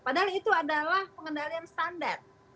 padahal itu adalah pengendalian standar